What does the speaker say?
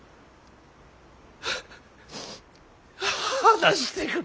話してくれ。